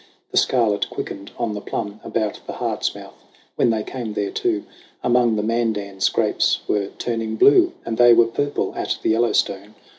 The scarlet quickened on the plum About the Heart's mouth when they came thereto ; Among the Mandans grapes were turning blue, And they were purple at the Yellowstone.